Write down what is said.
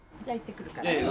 じゃあ行ってくるから。